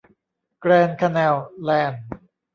แกรนด์ คาแนล แลนด์